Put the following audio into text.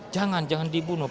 jangan jangan dibunuh